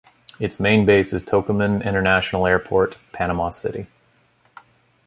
Its main base is Tocumen International Airport, Panama City.